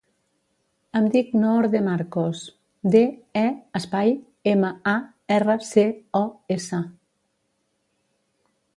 Em dic Noor De Marcos: de, e, espai, ema, a, erra, ce, o, essa.